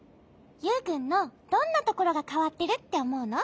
ユウくんのどんなところがかわってるっておもうの？